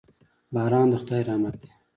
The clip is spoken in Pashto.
باران د خداي رحمت دي.